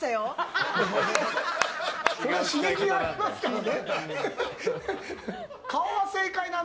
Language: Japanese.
刺激がありますからね。